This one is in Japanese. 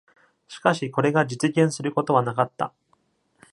しかし、これが実現することはなかった。